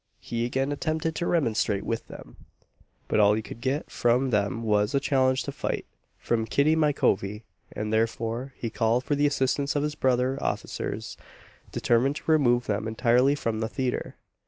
He again attempted to remonstrate with them; but all he could get from them was a challenge to fight, from Kitty my covy; and therefore he called for the assistance of his brother officers, determined to remove them entirely from the theatre.